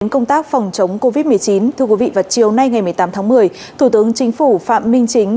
công tác phòng chống covid một mươi chín thưa quý vị vào chiều nay ngày một mươi tám tháng một mươi thủ tướng chính phủ phạm minh chính